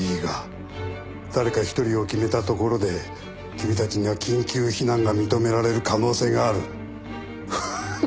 誰か１人を決めたところで君たちには緊急避難が認められる可能性がある。